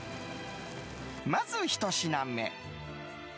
まず、１品目。